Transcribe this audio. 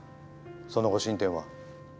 その後進展は？